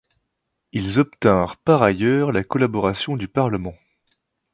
Ils obtinrent par ailleurs la collaboration du Parlement.